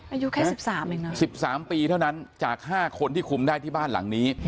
อายุแค่สิบสามอีกนะสิบสามปีเท่านั้นจากห้าคนที่คุมได้ที่บ้านหลังนี้